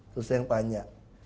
terus saya yang tanya